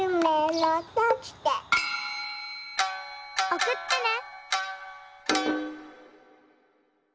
おくってね。